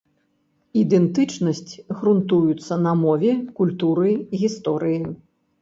Ідэнтычнасць грунтуецца на мове, культуры, гісторыі.